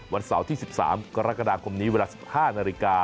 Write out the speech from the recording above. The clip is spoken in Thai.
วันเสาร์ที่๑๓กรกฎาคมนี้เวลา๑๕นาฬิกา